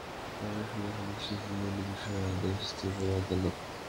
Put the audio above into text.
পরে শুনানি শেষে রিমান্ডের বিষয়ে আদেশ দেবেন আদালত।